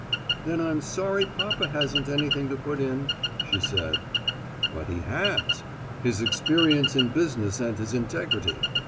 "Then I'm sorry papa hasn't anything to put in," she said. "But he has: his experience in business and his integrity.